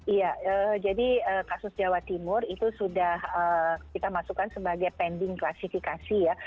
iya jadi kasus jawa timur itu sudah kita masukkan sebagai pending klasifikasi ya